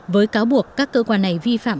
với cáo buộc các cơ quan này vi phạm